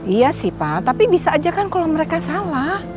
iya sih pak tapi bisa aja kan kalau mereka salah